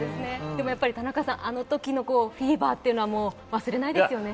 でも田中さん、あのときのフィーバーっていうのは忘れないですよね。